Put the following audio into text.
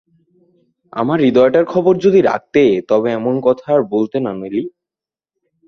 আমার হৃদয়টার খবর যদি রাখতে তবে এমন কথা আর বলতে না নেলি।